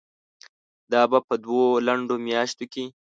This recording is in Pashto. دا به په دوو لنډو میاشتو کې